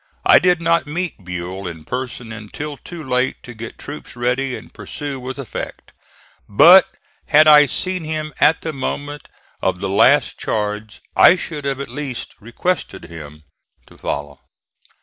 I did not meet Buell in person until too late to get troops ready and pursue with effect; but had I seen him at the moment of the last charge I should have at least requested him to follow.